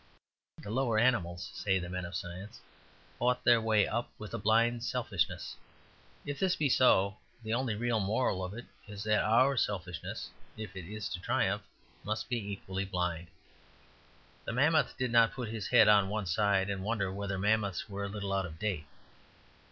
The lower animals, say the men of science, fought their way up with a blind selfishness. If this be so, the only real moral of it is that our unselfishness, if it is to triumph, must be equally blind. The mammoth did not put his head on one side and wonder whether mammoths were a little out of date.